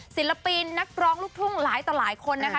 ศิลปินนักร้องลูกทุ่งหลายต่อหลายคนนะคะ